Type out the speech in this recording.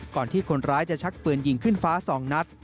ก่อนที่คนร้ายจะชักปืนยิงขึ้นฟ้า๒นัด